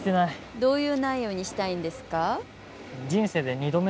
どういう内容にしたいんですか？